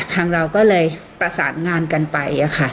เราก็เลยประสานงานกันไปค่ะ